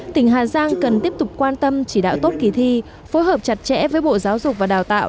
tỉnh hà giang cần tiếp tục quan tâm chỉ đạo tốt kỳ thi phối hợp chặt chẽ với bộ giáo dục và đào tạo